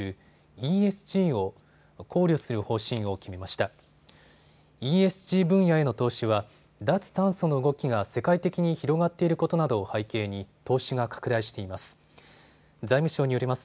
ＥＳＧ分野への投資は脱炭素の動きが世界的に広がっていることなどを背景に投資が拡大しています。